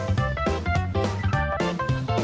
ออกกำลังกายยามเช้าฮิมนาสติกแบบนี้